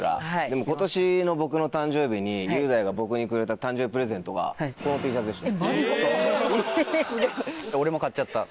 でも今年の僕の誕生日に雄大が僕にくれた誕生日プレゼントがこのＴシャツでした。